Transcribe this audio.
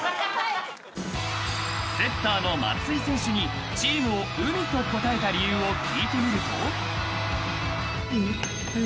［セッターの松井選手にチームを海と答えた理由を聞いてみると］